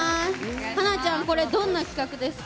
華ちゃんこれどんな企画ですか？